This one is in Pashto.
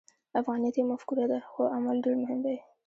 افغانیت یوه مفکوره ده، خو عمل ډېر مهم دی.